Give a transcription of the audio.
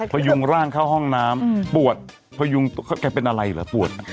พยุงร่างเข้าห้องน้ำปวดพยุงแกเป็นอะไรเหรอปวด